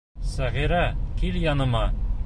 Сәғирә, кил яныма.